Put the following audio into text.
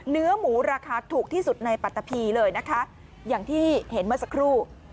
เนื้อหมูราคาถูกที่สุดในปัตตะพีเลยนะคะอย่างที่เห็นเมื่อสักครู่